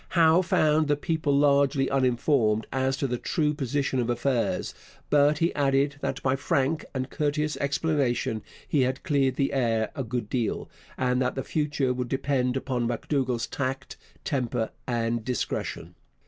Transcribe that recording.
Howe found the people largely uninformed as to the true position of affairs, but he added that by 'frank and courteous explanation' he had cleared the air a good deal, and that the future would depend upon M'Dougall's tact, temper, and discretion.